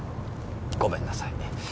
ごめんなさい。